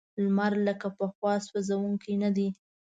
لمر لکه پخوا سوځونکی نه دی.